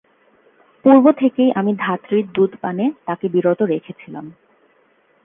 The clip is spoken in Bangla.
পূর্ব থেকেই আমি ধাত্রীর দুধপানে তাকে বিরত রেখেছিলাম।